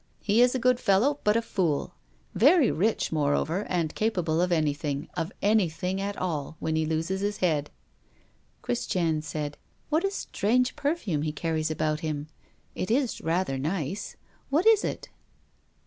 He is a good fellow, but a fool; very rich, moreover, and capable of anything, of anything at all, when he loses his head." Christiane said: "What a strange perfume he carries about him! It is rather nice. What is it?"